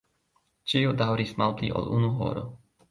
Ĉio daŭris malpli ol unu horo.